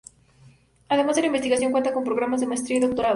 Además de la investigación cuenta con programas de maestría y doctorado.